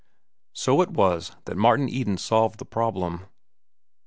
So it was that Martin Eden solved the problem.